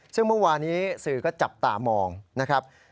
ซึ่งเมื่อวานี้สื่อก็จับตามองนะครับ